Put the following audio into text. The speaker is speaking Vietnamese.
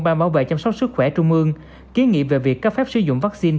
ban bảo vệ chăm sóc sức khỏe trung ương ký nghị về việc cấp phép sử dụng vaccine